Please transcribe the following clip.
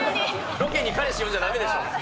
ロケに彼氏呼んじゃだめでしょ。